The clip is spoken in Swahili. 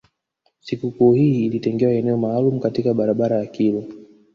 Sikukuu hii ilitengewa eneo maalum katika barabara ya kilwa